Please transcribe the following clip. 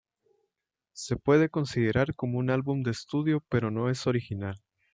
Se puede considerar como un álbum de estudio pero no es original.